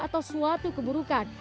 atau suatu keburukan